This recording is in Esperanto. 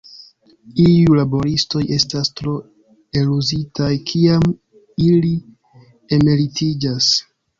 Iuj laboristoj estas tro eluzitaj kiam ili emeritiĝas.